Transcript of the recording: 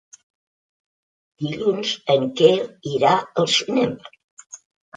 Dilluns en Quer irà al cinema.